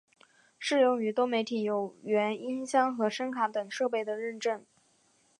适用于多媒体有源音箱和声卡等设备的认证。